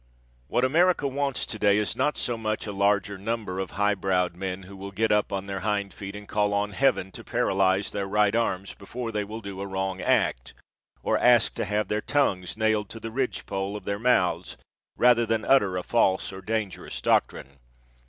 What America wants to day is not so much a larger number of high browed men who will get up on their hind feet and call on heaven to paralyze their right arms before they will do a wrong act, or ask to have their tongues nailed to the ridge pole of their mouths rather than utter a false or dangerous doctrine.